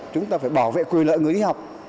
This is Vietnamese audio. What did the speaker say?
chúng ta phải bảo vệ quyền lợi người y học